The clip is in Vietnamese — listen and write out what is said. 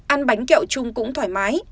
ăn bánh kẹo chung cũng thoải mái